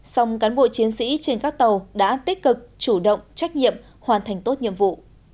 song cán bộ chiến sĩ trên các tàu đã tích cực chủ động trách nhiệm hoàn thành tốt nhiệm vụ